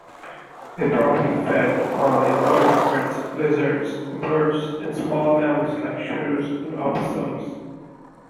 They probably fed on invertebrates, lizards, birds, and smaller mammals like shrews and opossums.